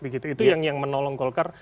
itu yang menolong golkar